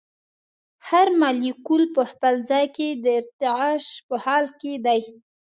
هر مالیکول په خپل ځای کې د ارتعاش په حال کې دی.